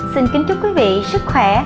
xin kính chúc quý vị sức khỏe